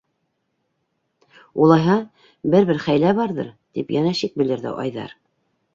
- Улайһа, бер-бер хәйлә барҙыр, - тип йәнә шик белдерҙе Айҙар.